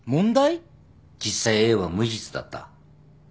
実際Ａは無実だった。